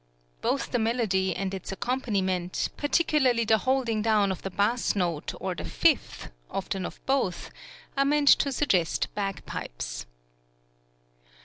Both the melody and its accompaniment, particularly the holding down of the bass note or the fifth, often of both, are meant to suggest bagpipes.